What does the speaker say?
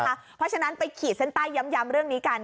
เพราะฉะนั้นไปขีดเส้นใต้ย้ำเรื่องนี้กัน